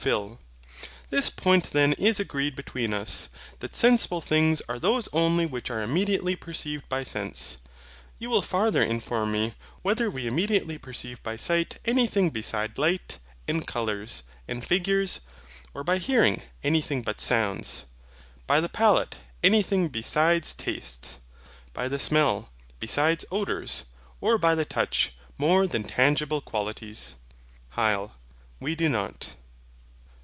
PHIL. This point then is agreed between us That SENSIBLE THINGS ARE THOSE ONLY WHICH ARE IMMEDIATELY PERCEIVED BY SENSE. You will farther inform me, whether we immediately perceive by sight anything beside light, and colours, and figures; or by hearing, anything but sounds; by the palate, anything beside tastes; by the smell, beside odours; or by the touch, more than tangible qualities. HYL. We do not.